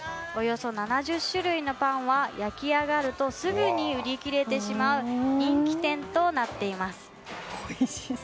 およそ７０種類のパンは焼き上がるとすぐに売り切れてしまう人気店となっています。